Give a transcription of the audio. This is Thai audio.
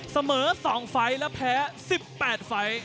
เสมอ๒ไฟล์และแพ้๑๘ไฟล์